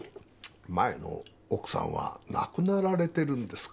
前の奥さんは亡くなられてるんですか？